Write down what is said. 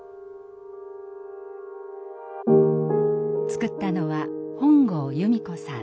作ったのは本郷由美子さん。